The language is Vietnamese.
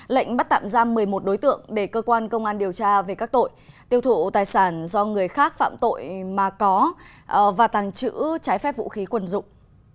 lệnh bắt tạm giam một mươi một đối tượng để cơ quan công an điều tra về các tội tiêu thụ tài sản do người khác phạm tội mà có và tàng trữ trái phép vũ khí quần dụng